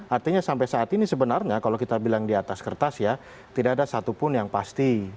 artinya sampai saat ini sebenarnya kalau kita bilang di atas kertas ya tidak ada satupun yang pasti